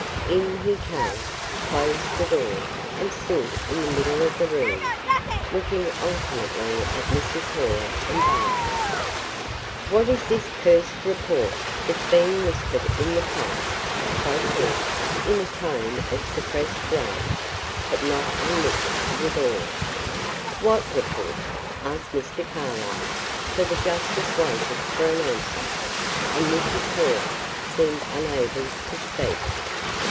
In he came, closed the door, and stood in the middle of the room, looking alternately at Mrs. Hare and Barbara. "What is this cursed report, that's being whispered in the place!" quoth he, in a tone of suppressed rage, but not unmixed with awe. "What report?" asked Mr. Carlyle, for the justice waited for an answer, and Mrs. Hare seemed unable to speak.